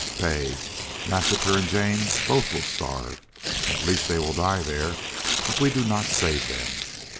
"Fay, Lassiter and Jane both will starve at least they will die there if we do not save them.